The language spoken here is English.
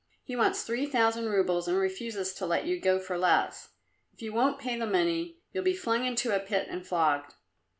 He wants three thousand roubles and refuses to let you go for less. If you won't pay the money you'll be flung into a pit and flogged."